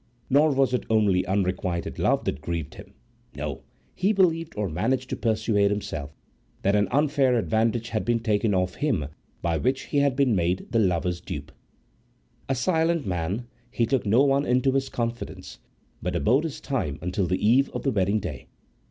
Nor was it only unrequited love that grieved him. No, he believed, or managed to persuade himself, that an unfair advantage had been taken of him, by which he had been made the lovers' dupe. A silent man, he took no one into his confidence, but abode his time until the eve of the wedding day.